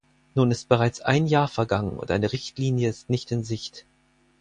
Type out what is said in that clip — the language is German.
Nun ist bereits ein Jahr vergangen, und eine Richtlinie ist nicht in Sicht.